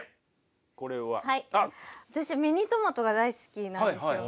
私ミニトマトが大好きなんですよ。